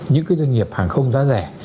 những cái doanh nghiệp hàng không giá rẻ